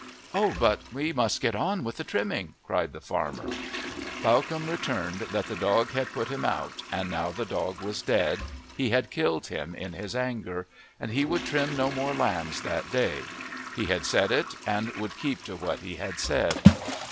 "Oh, but we must get on with the trimming!" cried the farmer. Bawcombe returned that the dog had put him out, and now the dog was dead he had killed him in his anger, and he would trim no more lambs that day. He had said it and would keep to what he had said.